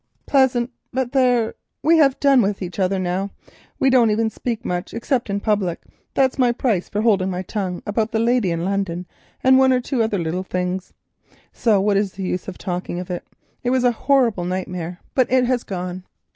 "Pleasant—but there, we have done with each other now—we don't even speak much except in public, that's my price for holding my tongue about the lady in London and one or two other little things—so what is the use of talking of it? It was a horrible nightmare, but it has gone.